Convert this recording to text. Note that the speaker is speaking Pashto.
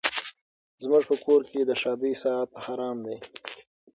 زموږ په کور کي د ښادۍ ساعت حرام دی